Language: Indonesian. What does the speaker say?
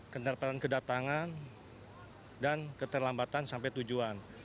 kendaraan kedatangan dan keterlambatan sampai tujuan